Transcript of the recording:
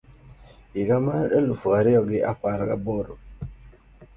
higa mar eluf ario gi apar gi aboro